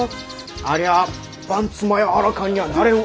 ありゃあ阪妻やアラカンにゃあなれんわ。